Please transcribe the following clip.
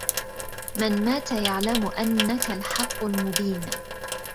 من مات يعلم أنك الحق المبين